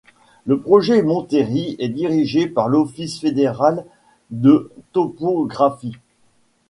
Le projet Mont-Terri est dirigé par l'Office fédéral de topographie.